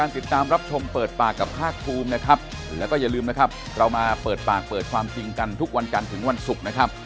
ผมไม่นิดฉัยนะครับว่าจะเป็นประมาณนี้